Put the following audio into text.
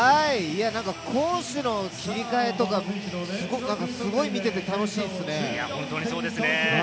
攻守の切り替えとか、すごい見てて楽しいっすね。